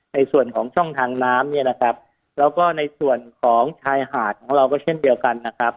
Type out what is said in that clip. ในส่วนของช่องทางน้ำเนี่ยนะครับแล้วก็ในส่วนของชายหาดของเราก็เช่นเดียวกันนะครับ